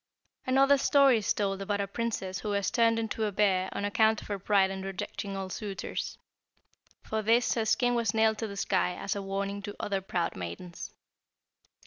"Another story is told about a princess who was turned into a bear on account of her pride in rejecting all suitors. For this her skin was nailed to the sky as a warning to other proud maidens.